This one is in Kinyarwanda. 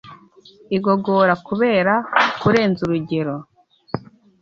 igogora kubera kurenza urugero